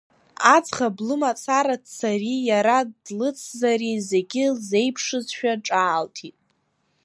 Аӡӷаб лымацара дцари иара длыцзари зегьы лзеиԥшызшәа ҿаалҭит.